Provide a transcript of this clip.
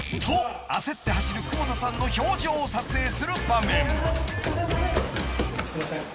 ［と焦って走る窪田さんの表情を撮影する場面］